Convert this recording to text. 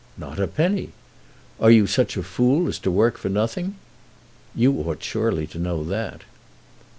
"Not a penny." "Are you such a fool as to work for nothing?" "You ought surely to know that."